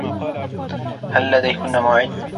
هل لديكن موعد؟